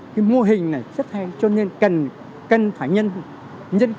cái mô hình này rất hay cho nên cần phải nhân